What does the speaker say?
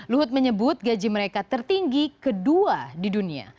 luhut menyebut gaji mereka tertinggi kedua di dunia